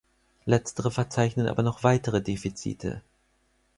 Letztere verzeichnen aber noch weitere Defizite.